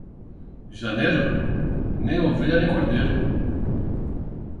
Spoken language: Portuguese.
Janeiro, nem ovelha nem cordeiro.